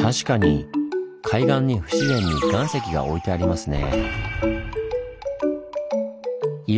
確かに海岸に不自然に岩石が置いてありますねぇ。